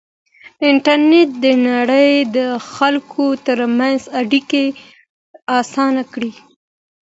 انټرنېټ د نړۍ د خلکو ترمنځ اړیکه اسانه کړې.